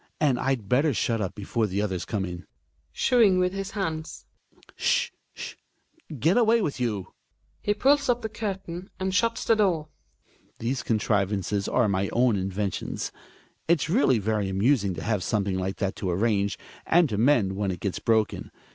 And I'd better shut up before the others come in. {Shooing vHth his hands.) S'h ! s'h ! Get away with you ! {He pulls up the curtain and shuts the doors.) These contrivances are my own inventions. It's really very amusing to have something like that to arrange, and to mend when it gets broken.